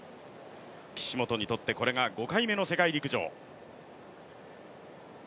岸本にとってこれが５回目の世界陸上。